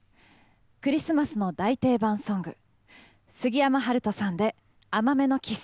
クリスマスの大定番ソング杉山春人さんで「甘めのＫＩＳＳ」。